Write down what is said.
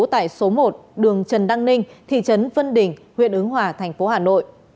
tại số một đường trần đăng ninh thị trấn vân đình huyện ứng hòa thành phố hà nội